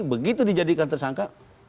begitu dijadikan tersangka